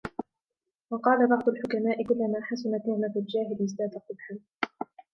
وَقَالَ بَعْضُ الْحُكَمَاءِ كُلَّمَا حَسُنَتْ نِعْمَةُ الْجَاهِلِ ازْدَادَ قُبْحًا